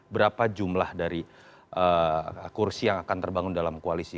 berapa jumlah dari kursi yang akan terbangun dalam koalisi